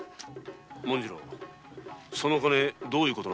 紋次郎その金どういう事なんだ？